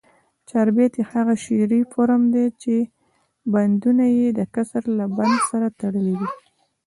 چاربیتې هغه شعري فورم دي، چي بندونه ئې دکسر له بند سره تړلي وي.